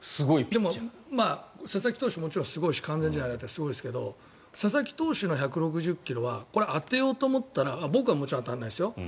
でも、佐々木投手ももちろん完全試合もすごいですけど佐々木投手の１６０ｋｍは当てようと思ったら僕はもちろん当たらないですよ。